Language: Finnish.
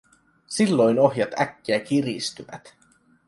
Silloin ohjat äkkiä kiristyvät.